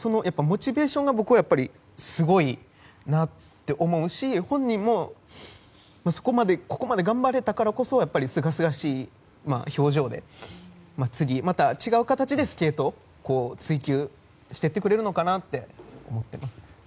モチベーションが僕はすごいなって思うし本人もここまで頑張れたからこそすがすがしい表情で次、また違う形でスケートを追求していってくれるのかなって思っています。